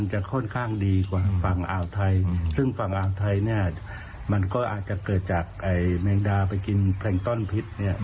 แต่คุณกรอบสัตว์พอสูงวิจัยสัตว์น้ำยังบอกต่อนะ